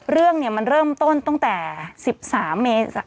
เรื่องมันเริ่มต้นตั้งแต่๑๓เมษา